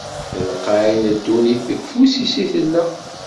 Telqay n ddunit, deg ufus-is i tella.